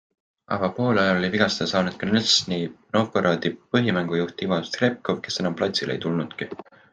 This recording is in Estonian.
Avapoolajal oli vigastada saanud ka NIžni Novgorodi põhimängujuht Ivan Strebkov, kes enam platsile ei tulnudki.